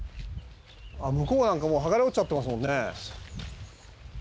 向こうなんかもう剥がれ落ちちゃってますもんね。